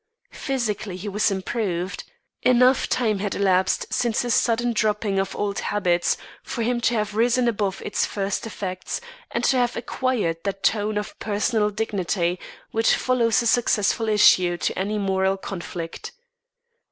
Physically he was improved. Enough time had elapsed since his sudden dropping of old habits, for him to have risen above its first effects and to have acquired that tone of personal dignity which follows a successful issue to any moral conflict.